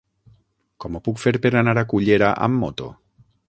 Com ho puc fer per anar a Cullera amb moto?